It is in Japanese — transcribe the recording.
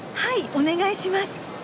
お願いします！